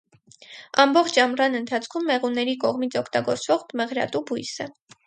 Ամբողջ ամռան ընթացքում մեղուների կողմից օգտագործվող մեղրատու բույս է։